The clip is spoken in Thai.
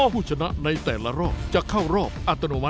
ผู้ชนะในแต่ละรอบจะเข้ารอบอัตโนมั